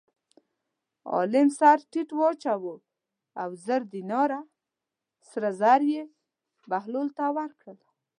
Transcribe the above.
عالم سر ټیټ واچاوه او زر دیناره سره زر یې بهلول ته ورکړل.